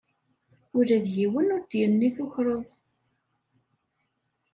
Ula d yiwen ur d-yenni tukreḍ.